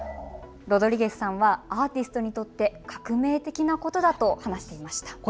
ロドリゲスさんはアーティストにとって革命的なことだと話していました。